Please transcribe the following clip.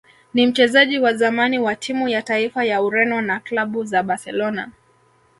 ni mchezaji wa zamani wa timu ya taifa ya Ureno na klabu za Barcelona